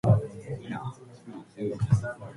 海の向こうにぼんやりと灯りが見える。